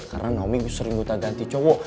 karena nomi sering buta ganti cowok